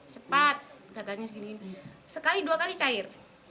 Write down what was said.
cepat katanya segini sekali dua kali cair